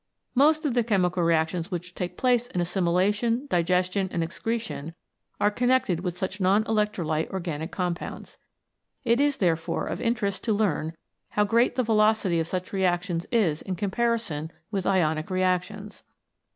Most of the chemical reactions which take place in assimilation, digestion, and excretion are connected with such non electrolyte organic compounds. It is, therefore, of interest to learn how great the velocity of such reactions is in comparison with ionic reactions.